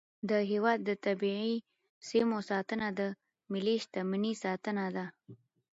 د هیواد د طبیعي سیمو ساتنه د ملي شتمنۍ ساتنه ده.